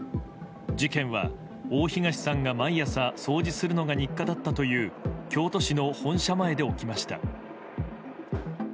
事件は、大東さんが毎朝、掃除するのが日課だったという京都市の本社前で起きました。